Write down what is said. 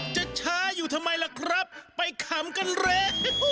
จะช้าอยู่ทำไมล่ะครับไปขำกันเลย